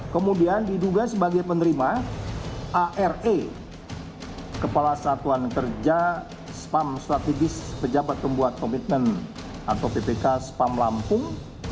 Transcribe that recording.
kemudian diduga sebagai penerima ar kepala satuan kerja spam strategis pejabat pembuat komitmen atau ppk spam lampung